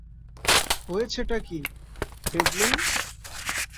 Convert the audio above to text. হয়েছেটা কি, ডেভলিন?